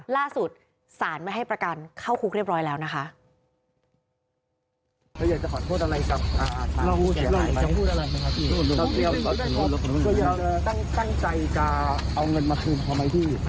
ล่าสุดสารไม่ให้ประกันเข้าคุกเรียบร้อยแล้วนะคะ